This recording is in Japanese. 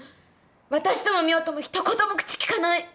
私とも美桜ともひと言も口利かない。